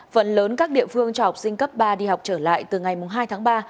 phần lớn các địa phương cho học sinh cấp ba đi học trở lại từ ngày hai tháng ba